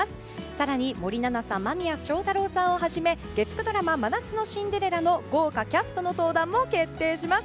更に、森七菜さん間宮祥太朗さんをはじめ月９ドラマ「真夏のシンデレラ」の豪華キャストの登壇も決定します。